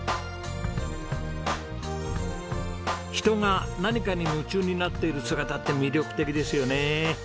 人が何かに夢中になっている姿って魅力的ですよね。